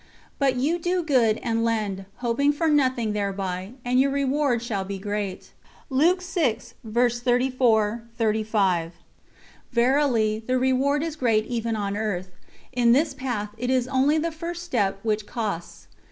But you do good and lend, hoping for nothing thereby, and your reward shall be great." Verily, the reward is great even on earth. In this path it is only the first step which costs.